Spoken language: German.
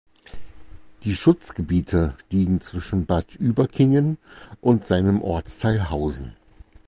Die Schutzgebiete liegen zwischen Bad Überkingen und seinem Ortsteil Hausen.